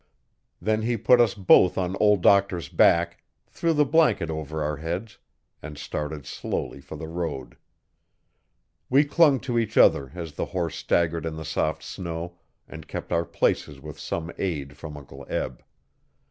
Then he put us both on Old Doctor's back, threw the blanket over our heads, and started slowly for the road. We clung to each other as the horse staggered in the soft snow, and kept our places with some aid from Uncle Eb.